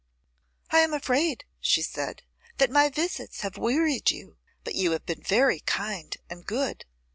'I am afraid,' she said, 'that my visits have wearied you; but you have been very kind and good.